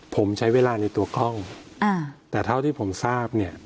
ผมใช้เวลาในตัวกล้องอ่าแต่เท่าที่ผมทราบเนี่ย